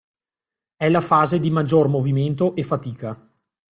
È la fase di maggior movimento e fatica.